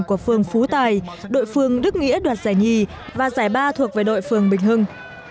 của phường phú tài đội phương đức nghĩa đoạt giải nhì và giải ba thuộc về đội phường bình hưng